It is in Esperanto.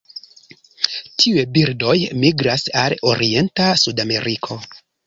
Tiuj birdoj migras al orienta Sudameriko.